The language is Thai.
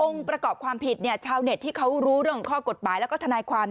ประกอบความผิดชาวเน็ตที่เขารู้เรื่องของข้อกฎหมายแล้วก็ทนายความ